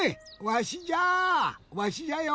わしじゃよ。